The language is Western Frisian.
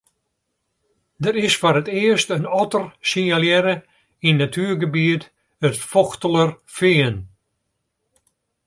Der is foar it earst in otter sinjalearre yn natuergebiet it Fochtelerfean.